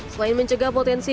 selain mencegah potensi